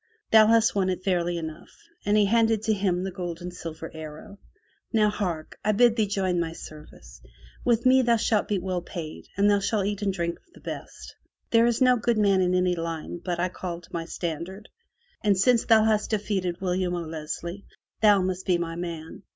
Thou hast won it fairly enough," and he handed to him the gold and silver arrow. "Now hark! I bid thee join my service. With me thou shalt be well paid and thou shalt eat and drink of the best. There is no good man in any line but I call to my standard, and since thou hast defeated William O'Leslie, thou must be my man.